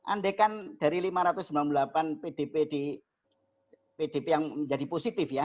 andaikan dari lima ratus sembilan puluh delapan pdp yang menjadi positif ya